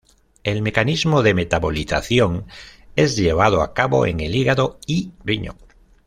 El mecanismo de metabolización es llevado a cabo en el hígado y riñón.